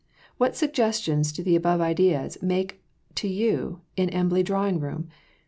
What suggestions do the above ideas make to you in Embley drawing room?